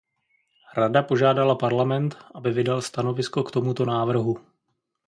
Rada požádala Parlament, aby vydal stanovisko k tomuto návrhu.